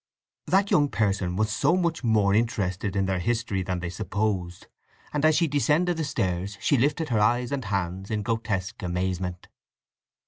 That young person was much more interested in their history than they supposed, and as she descended the stairs she lifted her eyes and hands in grotesque amazement.